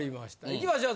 いきましょう。